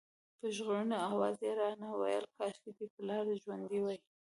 په ژړغوني اواز یې راته ویل کاشکې دې پلار ژوندی وای.